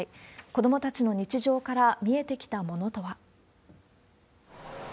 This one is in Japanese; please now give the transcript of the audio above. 子どもたちの日常から見えてきたものとは。